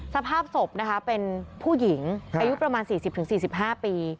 สภาพศพนะคะเป็นผู้หญิงอายุประมาณ๔๐๔๕ปี